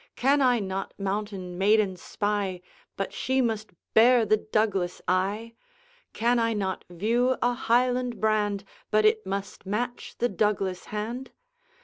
Can I not mountain maiden spy, But she must bear the Douglas eye? Can I not view a Highland brand, But it must match the Douglas hand?